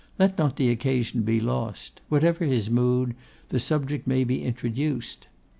Let not the occasion be lost. Whatever his mood, the subject may be introduced.